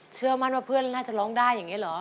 เชื่อมั่นว่าเพื่อนน่าจะร้องได้อย่างนี้เหรอ